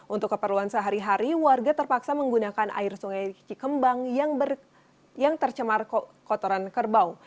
untuk keperluan sehari hari warga terpaksa menggunakan air sungai cikembang yang tercemar kotoran kerbau